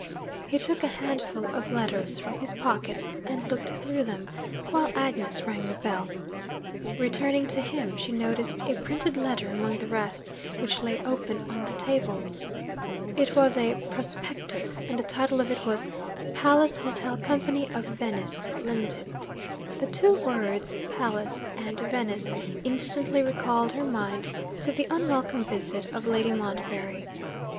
He took a handful of letters from his pocket, and looked through them, while Agnes rang the bell. Returning to him, she noticed a printed letter among the rest, which lay open on the table. It was a 'prospectus,' and the title of it was 'Palace Hotel Company of Venice (Limited).' The two words, 'Palace' and 'Venice,' instantly recalled her mind to the unwelcome visit of Lady Montbarry.